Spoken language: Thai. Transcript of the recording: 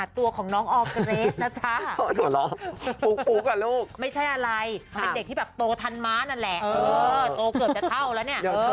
โตเกือบจะเท่าแล้วเนี่ย